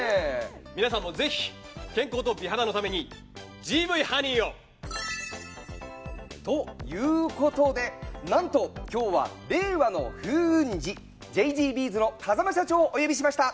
皆さんもぜひ健康と美肌のためにＧＶハニーを！ということでなんと今日は令和の風雲児ＪＧＶｓの風間社長をお呼びしました。